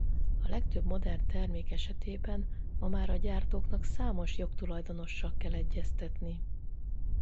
A legtöbb modern termék esetében ma már a gyártóknak számos jogtulajdonossal kell egyeztetni.